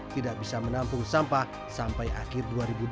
tidak bisa menampung sampah sampai akhir dua ribu dua puluh